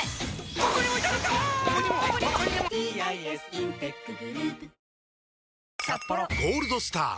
「氷結」「ゴールドスター」！